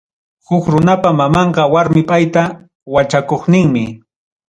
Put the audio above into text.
Huk runapa mamanqa, warmi payta wachakuqninmi.